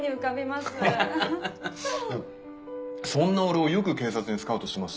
そんな俺をよく警察にスカウトしまし